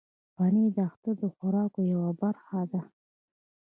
پنېر د اختر د خوراکو یوه برخه ده.